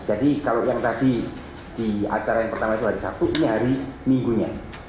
jadi kalau yang tadi di acara yang pertama itu lagi sabtu ini hari minggunya